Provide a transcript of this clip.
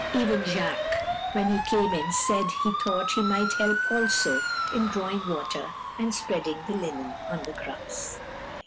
Even Jacques, when he came in, said he thought he might help also in drawing water and spreading the linen on the grass.